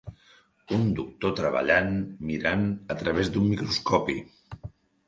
un doctor treballant mirant a través d'un microscopi